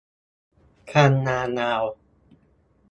คันนายาว